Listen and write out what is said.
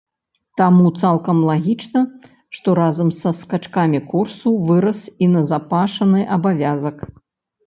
Таму цалкам лагічна, што разам са скачкамі курсу вырас і назапашаны абавязак.